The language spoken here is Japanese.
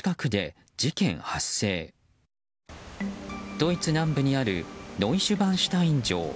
ドイツ南部にあるノイシュバンシュタイン城。